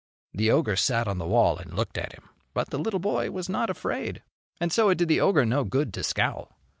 The ogre sat on the wall and looked at him, but the little boy was not afraid, and so it did the ogre no good to scowl.